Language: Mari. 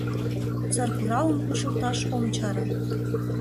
Саркуралым кучлташ ом чаре».